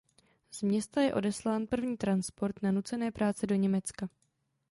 Z města je odeslán první transport na nucené práce do Německa.